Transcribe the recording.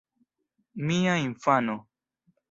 Mia infano!